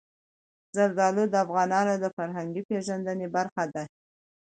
زردالو د افغانانو د فرهنګي پیژندنې برخه ده.